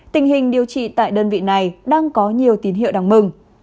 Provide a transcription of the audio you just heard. tình hình điều trị tại đơn vị này đang có nhiều tín hiệu đáng mừng